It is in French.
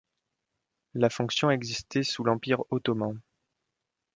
La fonction existait sous l'Empire ottoman.